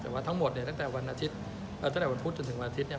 แต่ว่าทั้งหมดเนี่ยตั้งแต่วันอาทิตย์ตั้งแต่วันพุธจนถึงวันอาทิตย์เนี่ย